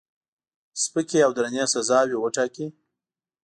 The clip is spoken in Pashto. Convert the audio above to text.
سپکې او درنې سزاوي وټاکي.